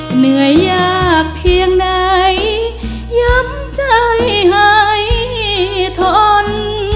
เหนื่อยยากเพียงไหนย้ำใจให้ทน